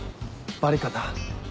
バリカタ。